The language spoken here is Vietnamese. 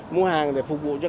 mua hàng để phục vụ doanh nghiệp